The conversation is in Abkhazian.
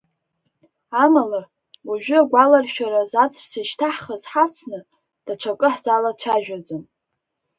Амала, уажәы агәаларшәараз аҵәца ишьҭаҳхыз ҳавсны, даҽакы ҳзалацәажәаӡом.